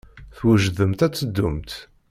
Twejdemt ad teddumt?